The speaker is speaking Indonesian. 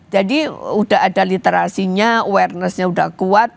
jadi udah ada literasinya awarenessnya udah kuat